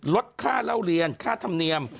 ลดค่าเล่าเรียนค่าธรรมเนียม